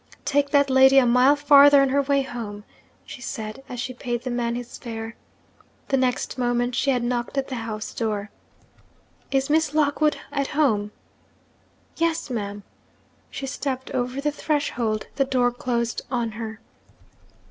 'Take that lady a mile farther on her way home!' she said, as she paid the man his fare. The next moment she had knocked at the house door. 'Is Miss Lockwood at home?' 'Yes, ma'am.' She stepped over the threshold the door closed on her.